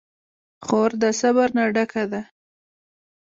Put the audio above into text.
خور د صبر نه ډکه ده.